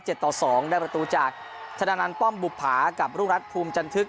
เจ็ดต่อสองได้ประตูจากธนาณันป้อมบุบผากับลูกรัฐภูมิจันทึก